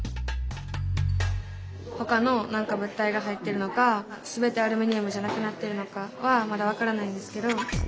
ほかのなんか物体が入っているのかすべてアルミニウムじゃなくなってるのかはまだわからないんですけど。